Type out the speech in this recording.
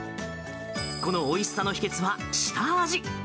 このおいしさの秘けつは下味。